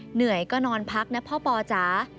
เหนื่อยก็นอนพักนะพ่อปอจ๋า